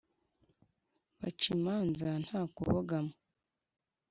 bagaca imanza nta kubogama,